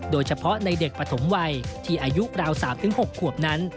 โดยเฉพาะในเด็กปฐมวัยที่อายุราว๓๖ขวบนั้น